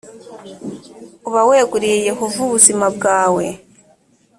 uba weguriye yehova ubuzima bwawe